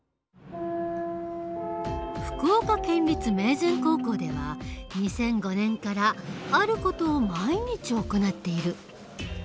福岡県立明善高校では２００５年からある事を毎日行っている。